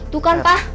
tuh kan pak